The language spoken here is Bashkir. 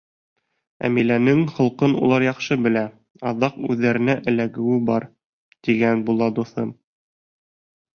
Әмиләнең холҡон улар яҡшы белә — аҙаҡ үҙҙәренә эләгеүе бар. — тигән була дуҫым.